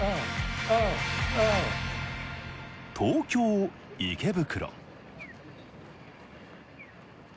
東京・池袋。